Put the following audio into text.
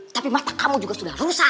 tapi mata kamu juga sudah rusak